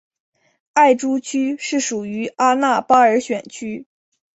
艾珠区是属于阿纳巴尔选区。